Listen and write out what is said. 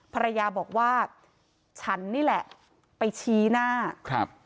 ภรรยาบอกว่าฉันนี่แหละไปชี้หน้าครับ